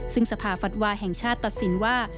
ซึ่งสภาฟัดวาแห่งชาติตัดสินว่า